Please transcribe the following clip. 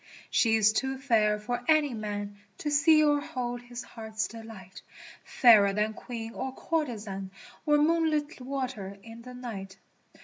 ' She is too fair for any man ' To see or hold his heart's delight, lFairer than Queen or courtezan | Or moonlit water in the night.